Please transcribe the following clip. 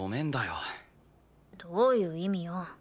どういう意味よ？